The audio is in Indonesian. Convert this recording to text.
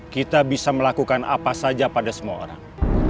kita bisa melakukan apa saja pada semua orang